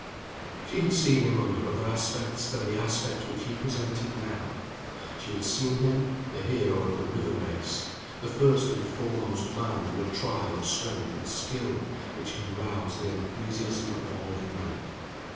She had seen him under other aspects than the aspect which he presented now. She had seen him, the hero of the river race, the first and foremost man in a trial of strength and skill which had roused the enthusiasm of all England.